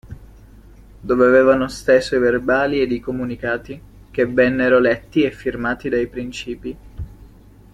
Dove avevano steso i verbali ed i comunicati, che vennero letti e firmati dai principi.